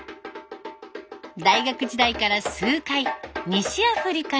大学時代から数回西アフリカに出向き